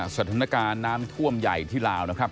สถานการณ์น้ำท่วมใหญ่ที่ลาวนะครับ